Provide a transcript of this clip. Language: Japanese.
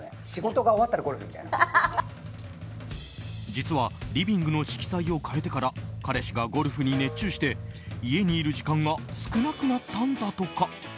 実はリビングの色彩を変えてから彼氏がゴルフに熱中して家にいる時間が少なくなったんだとか。